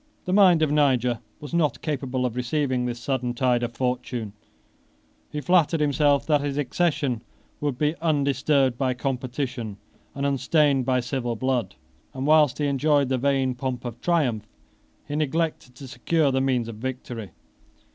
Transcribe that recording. The mind of Niger was not capable of receiving this sudden tide of fortune: he flattered himself that his accession would be undisturbed by competition and unstained by civil blood; and whilst he enjoyed the vain pomp of triumph, he neglected to secure the means of victory.